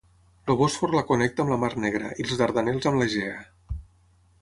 El Bòsfor la connecta amb la mar Negra i els Dardanels amb l'Egea.